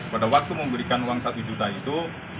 pada waktu memberikan uang satu juta itu